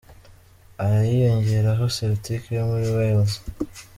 Aya yiyongeraho Celtic yo muri Wales.